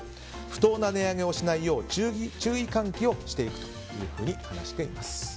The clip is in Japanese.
不当な値上げをしないよう注意喚起をしていくというふうに話しています。